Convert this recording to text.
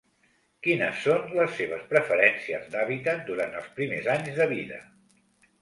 Quines són les seves preferències d'hàbitat durant els primers anys de vida?